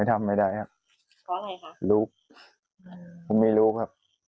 จงใจจะเอาพวกคนเดียวครับ